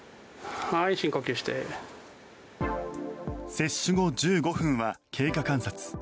接種後１５分は経過観察。